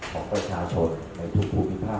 ของประชาชนในทุกภูมิภาค